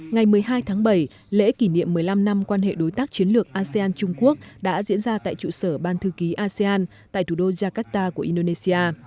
ngày một mươi hai tháng bảy lễ kỷ niệm một mươi năm năm quan hệ đối tác chiến lược asean trung quốc đã diễn ra tại trụ sở ban thư ký asean tại thủ đô jakarta của indonesia